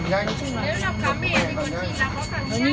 nếu làm cá mẻ thì còn nhanh